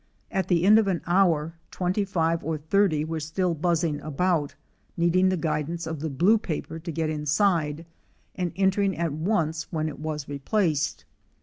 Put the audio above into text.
At the end of an hour twenty five or thirty were still buzzing about, needing the guidance of the blue paper to get inside, and entering at once when it was replaced.